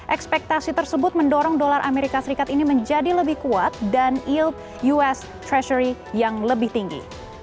ekspektasi tersebut mendorong dolar amerika serikat ini menjadi lebih kuat dan yield us treasury yang lebih tinggi